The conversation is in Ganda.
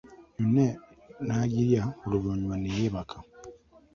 Yonna n'agirya oluvanyuma ne yebaka.